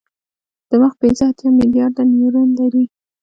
دماغ پنځه اتیا ملیارده نیورون لري.